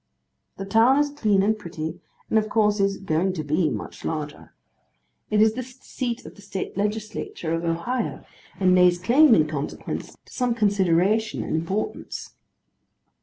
The town is clean and pretty, and of course is 'going to be' much larger. It is the seat of the State legislature of Ohio, and lays claim, in consequence, to some consideration and importance.